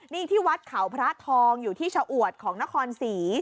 นี่ที่วัดเขาพระทองอยู่ที่ชะอวดของนครศรี